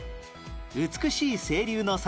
美しい清流の里